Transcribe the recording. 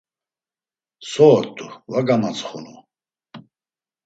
So ort̆u, va gamantsxunu.